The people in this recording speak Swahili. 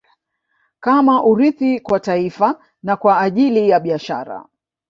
Kama urithi kwa taifa na kwa ajili ya Biashara